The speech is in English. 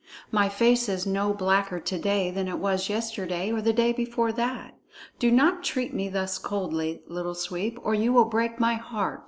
My face is no blacker to day than it was yesterday or the day before that. Do not treat me thus coldly, Little Sweep, or you will break my heart."